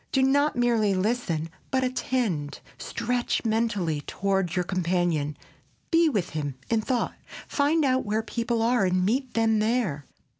Do not merely listen, but attend, stretch mentally toward your companion, be with him in thought. "Find out where people are and meet them there."